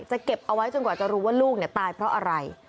เก็บเอาไว้จนกว่าจะรู้ว่าลูกตายเพราะอะไร